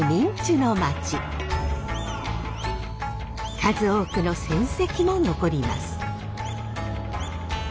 数多くの戦跡も残ります。